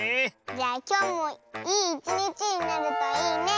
じゃあきょうもいいいちにちになるといいねえ！